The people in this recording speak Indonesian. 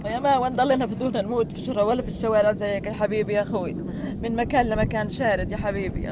yang lebih mudah